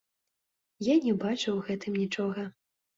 Я не бачу ў гэтым нічога.